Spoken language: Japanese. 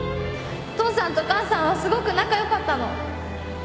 父さんと母さんはすごく仲良かったの。